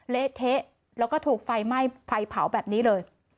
เละเทะแล้วก็ถูกไฟไหม้ไฟเผาแบบนี้เลย